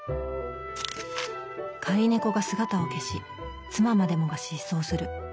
飼い猫が姿を消し妻までもが失踪する。